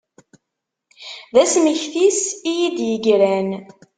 D asmekti-s i yi-d-yegran.